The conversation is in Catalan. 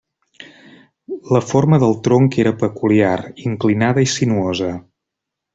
La forma del tronc era peculiar, inclinada i sinuosa.